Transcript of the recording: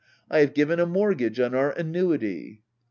I have given a mortgage on our annuity.